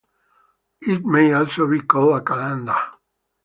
It may also be called a "calendar".